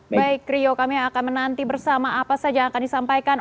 baik rio kami akan menanti bersama apa saja yang akan disampaikan